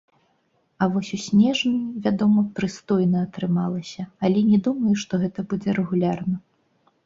А вось у снежні, вядома, прыстойна атрымалася, але не думаю, што гэта будзе рэгулярна.